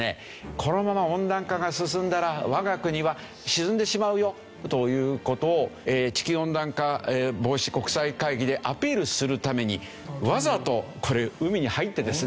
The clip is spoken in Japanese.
このまま温暖化が進んだら我が国は沈んでしまうよという事を地球温暖化防止国際会議でアピールするためにわざとこれ海に入ってですね。